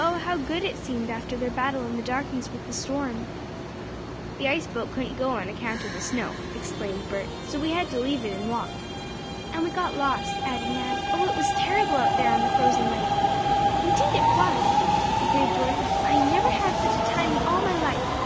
Oh, how good it seemed after their battle in the darkness with the storm! "The ice boat couldn't go on account of the snow," explained Bert, "so we had to leave it and walk." "And we got lost," added Nan. "Oh, it was terrible out there on the frozen lake!" "Indeed it was," agreed Dorothy. "I never had such a time in all my life."